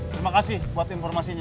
terima kasih buat informasinya